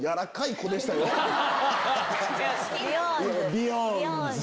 ビヨーンズ。